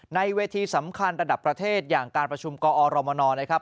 เวทีสำคัญระดับประเทศอย่างการประชุมกอรมนนะครับ